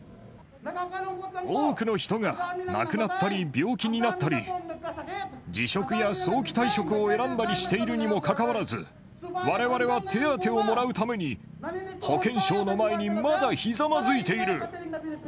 多くの人が亡くなったり病気になったり、辞職や早期退職を選んだりしているにもかかわらず、われわれは手当をもらうために、保健省の前に、まだひざまずいている。